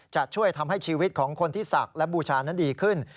จะช่วยทำให้ชีวิตของคนที่ศักดิ์และบูชานั้นดีขึ้น